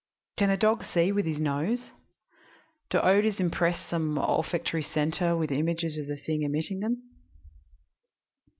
"Can a dog see with his nose? Do odors impress some olfactory centre with images of the thing emitting them?